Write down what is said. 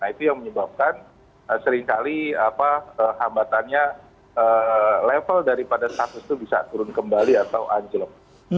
nah itu yang menyebabkan seringkali hambatannya level daripada status itu bisa turun kembali atau anjlok